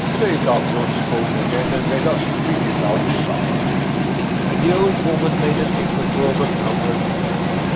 Take up your spoon again and let us finish our supper." The old woman made an effort to overcome her terror.